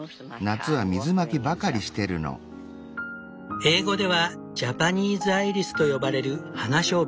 英語ではジャパニーズアイリスと呼ばれるハナショウブ。